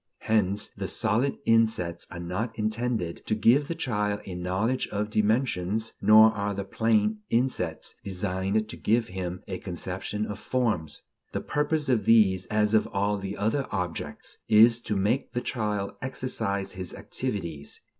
Hence the solid insets are not intended to give the child a knowledge of dimensions, nor are the plane insets designed to give him a conception of forms; the purpose of these, as of all the other objects, is to make the child exercise his activities.